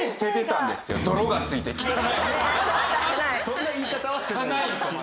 そんな言い方はしてない。